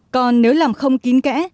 còn nếu làm không kín kẽ